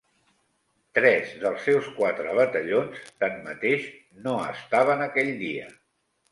Tres dels seus quatre batallons, tan mateix, no estaven aquell dia.